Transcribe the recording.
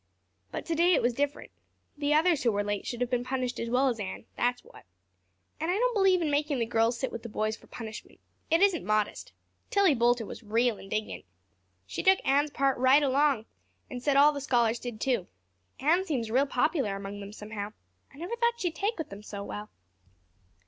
But today it was different. The others who were late should have been punished as well as Anne, that's what. And I don't believe in making the girls sit with the boys for punishment. It isn't modest. Tillie Boulter was real indignant. She took Anne's part right through and said all the scholars did too. Anne seems real popular among them, somehow. I never thought she'd take with them so well."